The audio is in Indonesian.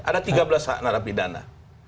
ada tiga belas narapidana